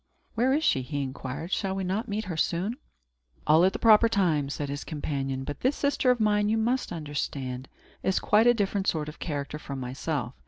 "Where is she?" he inquired. "Shall we not meet her soon?" "All at the proper time," said his companion. "But this sister of mine, you must understand, is quite a different sort of character from myself.